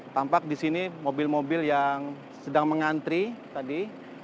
tampak di sini mobil mobil yang sedang mengantri tadi